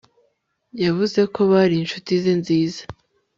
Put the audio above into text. Yavuze ko bari inshuti ze nziza